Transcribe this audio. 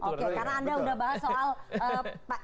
karena anda sudah bahas soal